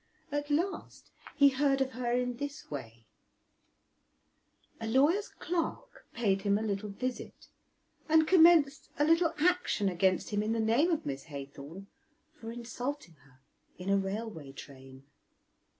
At last he heard of her in this way: a lawyer's clerk paid him a little visit and commenced a little action against him in the name of Miss Haythorn for insulting her in a railway train.